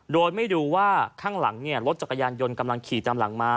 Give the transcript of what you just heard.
โดยไม่ดูว่าข้างหลังรถจักรยานยนต์กำลังขี่ตามหลังมา